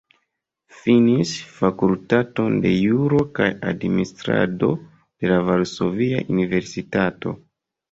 Finis Fakultaton de Juro kaj Administrado de la Varsovia Universitato.